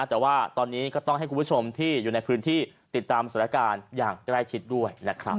แต่ว่าตอนนี้ก็ต้องให้คุณผู้ชมที่อยู่ในพื้นที่ติดตามสถานการณ์อย่างใกล้ชิดด้วยนะครับ